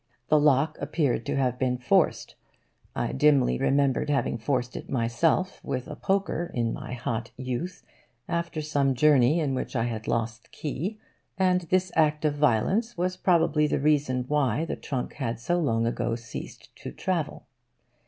The lock appeared to have been forced. I dimly remembered having forced it myself, with a poker, in my hot youth, after some journey in which I had lost the key; and this act of violence was probably the reason why the trunk had so long ago ceased to travel.